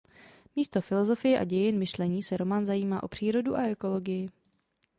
Místo filosofie a dějin myšlení se román zajímá o přírodu a ekologii.